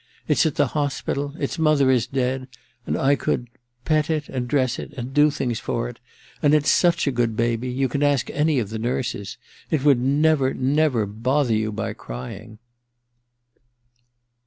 ... It's at the hospitd ••. its mother is dead ... and I could ... pet it, and dress it, and do things for it ... and it's such a good baby ... you can ask any of the nurses ... it would never, never bother you by crying.